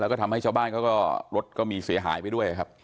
แล้วก็ทำให้ชาวบ้านเขาก็รถก็มีเสียหายไปด้วยครับ